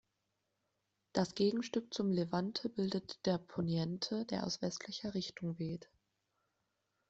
Das Gegenstück zum Levante bildet der Poniente, der aus westlicher Richtung weht.